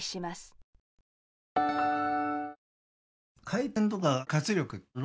回転とか活力